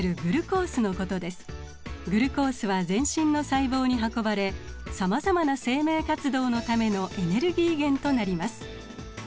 グルコースは全身の細胞に運ばれさまざまな生命活動のためのエネルギー源となります。